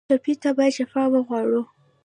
ټپي ته باید شفا وغواړو.